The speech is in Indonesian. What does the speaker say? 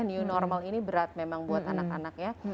new normal ini berat memang buat anak anak ya